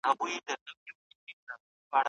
خلګ کولای سي يو بل درک کړي.